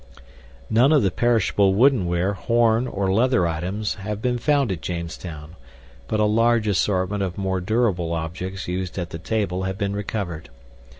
None of the perishable woodenware, horn, or leather items have been found at Jamestown, but a large assortment of more durable objects used at the table have been recovered.